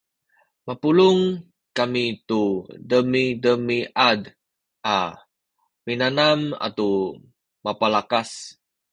mapulung kami tu demidemiad a minanam atu mabalakas